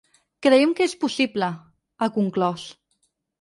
Creiem que és possible, ha conclòs.